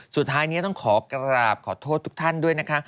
สุดท้ายนี้ต้องขอกราบขอโทษทุกท่านด้วยนะคะ